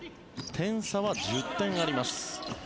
点差は１０点あります。